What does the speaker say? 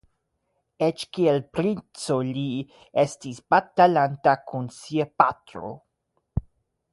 Eĉ kiel princo li estis batalanta kun sia patro.